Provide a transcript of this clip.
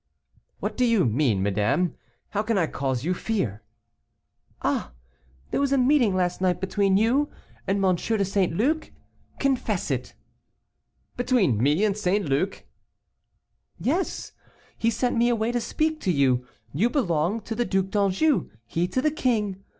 "What do you mean, madame? how can I cause you fear?" "Ah! there was a meeting last night between you and M. de St. Luc? confess it." "Between me and St. Luc!" "Yes, he sent me away to speak to you; you belong to the Duc d'Anjou, he to the king.